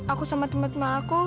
aku sama teman teman aku